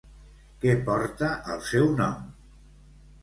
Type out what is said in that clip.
Què porta el seu nom?